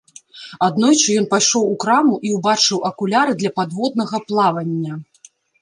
Аднойчы ён пайшоў у краму і ўбачыў акуляры для падводнага плавання.